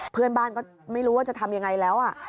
เพื่อนบ้านก็ไม่รู้ว่าจะทำยังไงแล้ว